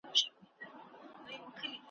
درته په قهر خدای او انسان دی `